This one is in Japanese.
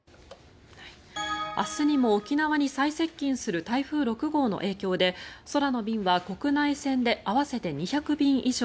明日にも沖縄に最接近する台風６号の影響で空の便は国内線で合わせて２００便以上